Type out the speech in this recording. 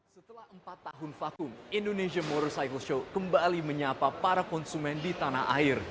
setelah empat tahun vakum indonesia more cycle show kembali menyapa para konsumen di tanah air